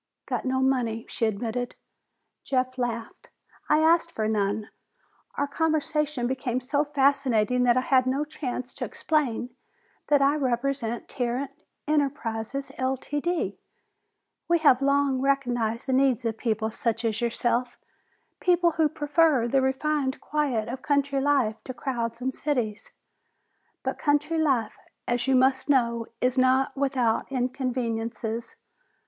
"Got no money," she admitted. Jeff laughed. "I asked for none! Our conversation became so fascinating that I had no chance to explain that I represent Tarrant Enterprises, Ltd. We have long recognized the needs of people such as yourself, people who prefer the refined quiet of country life to crowds and cities. But country life, as you must know, is not without inconveniences.